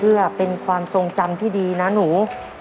เพื่อเป็นความทรงจำที่ดีนะหนู